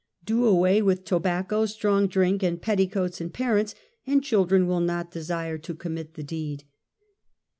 Do away with tobacco, strong drink and petticoats in parents, and children will not desire to commit the deed. 122 UNMASKED.